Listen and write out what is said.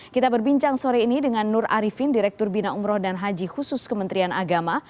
kita berbincang sore ini dengan nur arifin direktur bina umroh dan haji khusus kementerian agama